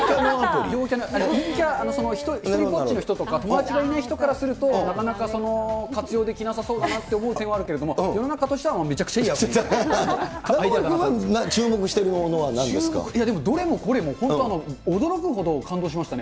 陰キゃ、ひとりぼっちの人とか、友達がいない人からすると、なかなか活用できなさそうだなって思う点はあるけれども、世の中中丸君は注目しているものは注目、いやでも、どれもこれも、本当驚くほど感動しましたね。